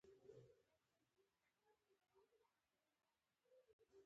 اختیار الدین کلا ډیره مشهوره ده